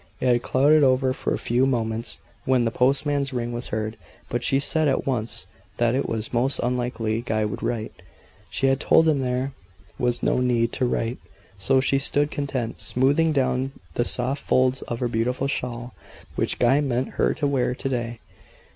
It had clouded over for a few moments when the postman's ring was heard; but she said at once that it was most unlikely Guy would write she had told him there was no need to write. So she stood content, smoothing down the soft folds of her beautiful shawl, which Guy meant her to wear to day.